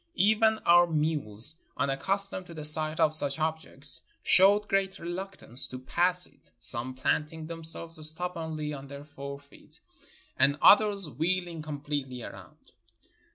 Even our mules, unaccustomed to the sight of such objects, showed great reluctance to pass it, some plant ing themselves stubbornly on their fore feet and others 325 NORTHERN AFRICA wheeling completely around.